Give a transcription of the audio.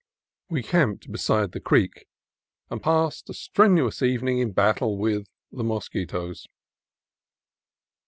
We camped beside the creek, and passed a strenu PALOMAR MOUNTAIN 33 ous evening in battle with the mosquitoes.